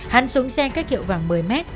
hắn xuống xe cách hiệu vàng một mươi m